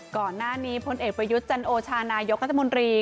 ก่อนหน้านี้พลเอกประยุทธ์จันโอชานายกรัฐมนตรี